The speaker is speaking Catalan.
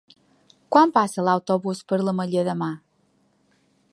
Quan passa l'autobús per l'Ametlla de Mar?